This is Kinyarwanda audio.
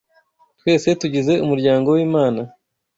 Twese tugize umuryango w’Imana